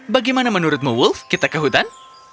bagaimana menurutmu wolf kita ke hutan